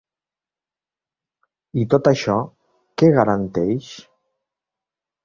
I tot això, què garanteix?